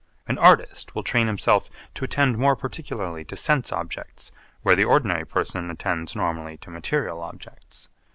An artist will train himself to attend more particularly to sense objects where the ordinary person attends normally to material objects.